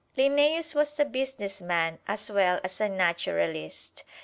Linnæus was a businessman as well as a naturalist.